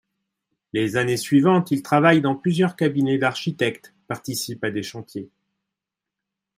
Les années suivantes il travaille dans plusieurs cabinets d'architectes, participe à des chantiers.